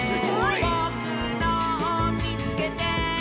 「ぼくのをみつけて！」